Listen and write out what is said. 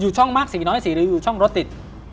ช่องมากสีน้อยสีหรืออยู่ช่องรถติด